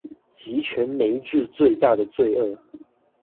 極權玫治最大的罪惡